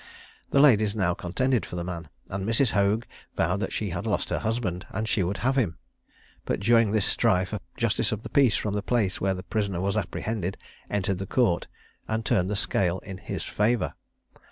The ladies now contended for the man, and Mrs. Hoag vowed that she had lost her husband, and she would have him; but during this strife, a justice of the peace from the place where the prisoner was apprehended entered the Court, and turned the scale in his favour.